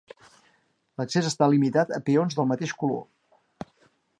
L'accés està limitat a peons del mateix color.